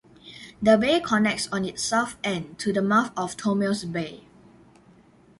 The bay connects on its south end to the mouth of Tomales Bay.